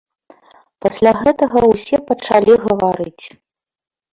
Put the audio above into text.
Пасля гэтага ўсе пачалі гаварыць.